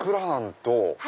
「と」？